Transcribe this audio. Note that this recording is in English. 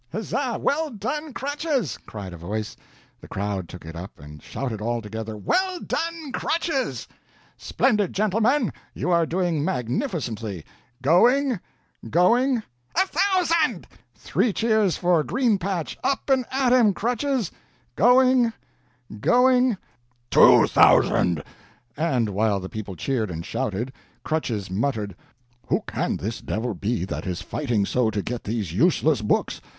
"Huzzah! well done, Crutches!" cried a voice. The crowd took it up, and shouted altogether, "Well done, Crutches!" "Splendid, gentlemen! you are doing magnificently. Going, going " "A thousand!" "Three cheers for Green patch! Up and at him, Crutches!" "Going going " "Two thousand!" And while the people cheered and shouted, "Crutches" muttered, "Who can this devil be that is fighting so to get these useless books?